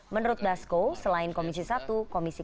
menurut dasko selain komisi satu komisi kesehatan dpr juga akan membentuk